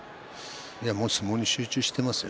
もう相撲に集中してますよ。